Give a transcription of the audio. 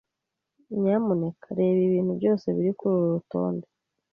Nyamuneka reba ibintu byose biri kururu rutonde.